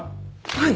はい。